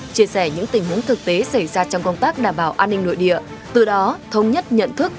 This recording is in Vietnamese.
chia sẻ những tình huống thực tế xảy ra trong công tác đảm bảo an ninh nội địa từ đó thông nhất nhận thức